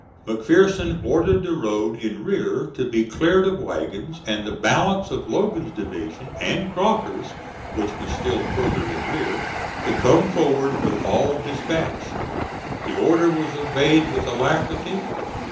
McPherson ordered the road in rear to be cleared of wagons, and the balance of Logan's division, and Crocker's, which was still farther in rear, to come forward with all dispatch. The order was obeyed with alacrity.